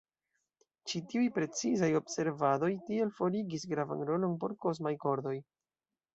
Ĉi-tiuj precizaj observadoj tiel forigis gravan rolon por kosmaj kordoj.